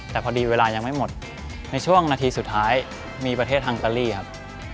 แต่พอดีเวลายังไม่หมดในช่วงนาทีสุดท้ายมีประเทศทางอิตาลีครับ